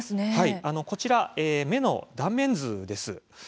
こちら目の断面図です。